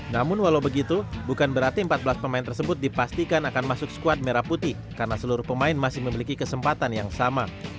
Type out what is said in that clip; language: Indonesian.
namun walau begitu bukan berarti empat belas pemain tersebut dipastikan akan masuk skuad merah putih karena seluruh pemain masih memiliki kesempatan yang sama